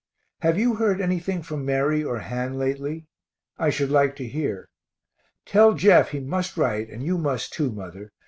Have you heard anything from Mary or Han lately? I should like to hear. Tell Jeff he must write, and you must, too, mother.